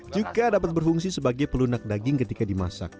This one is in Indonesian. juga dapat berfungsi sebagai pelunak daging ketika dimasak